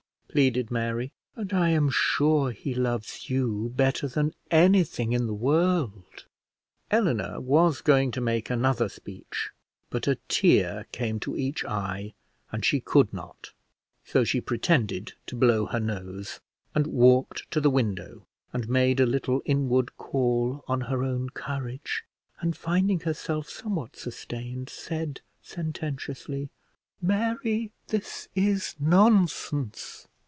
pleaded Mary; "and I am sure he loves you better than anything in the world." Eleanor was going to make another speech, but a tear came to each eye, and she could not; so she pretended to blow her nose, and walked to the window, and made a little inward call on her own courage, and finding herself somewhat sustained, said sententiously: "Mary, this is nonsense."